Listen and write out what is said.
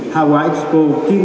hà hoa expo kiên thông